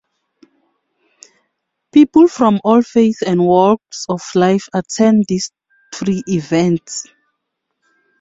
People from all faiths and walks of life attend this free event.